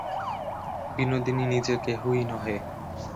বিনোদিনী নিজে কেহই নহে!